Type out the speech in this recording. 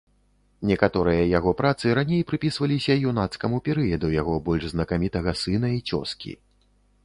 Некаторыя яго працы раней прыпісваліся юнацкаму перыяду яго больш знакамітага сына і цёзкі.